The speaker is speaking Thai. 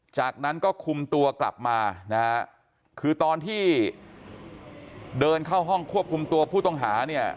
จากนั้นก็คุมตัวกลับมานะฮะคือตอนที่เดินเข้าห้องควบคุมตัวผู้ต้องหาเนี่ย